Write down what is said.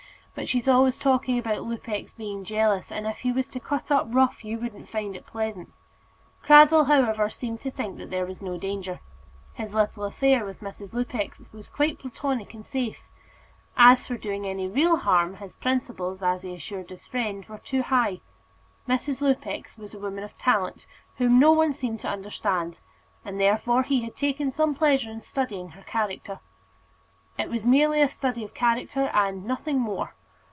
But she's always talking about Lupex being jealous; and if he was to cut up rough, you wouldn't find it pleasant." Cradell, however, seemed to think that there was no danger. His little affair with Mrs. Lupex was quite platonic and safe. As for doing any real harm, his principles, as he assured his friend, were too high. Mrs. Lupex was a woman of talent, whom no one seemed to understand, and, therefore, he had taken some pleasure in studying her character. It was merely a study of character, and nothing more.